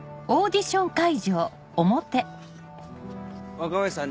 若林さん